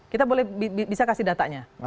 kita bisa kasih datanya